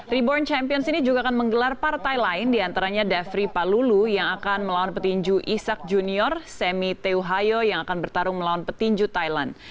reborn champions ini juga akan menggelar partai lain diantaranya devri palulu yang akan melawan petinju isak junior semi teohayo yang akan bertarung melawan petinju thailand